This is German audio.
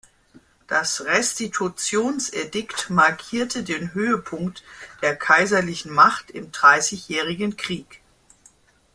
Das Restitutionsedikt markierte den Höhepunkt der kaiserlichen Macht im Dreißigjährigen Krieg.